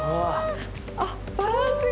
あっバランスが。